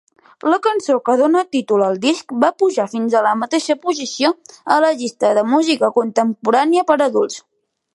La cançó que dóna títol al disc va pujar fins a la mateixa posició a la llista de música contemporània per a adults.